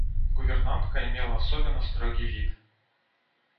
Гувернантка имела особенно строгий вид.